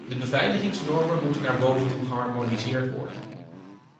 De beveiligingsnormen moeten naar boven toe geharmoniseerd worden.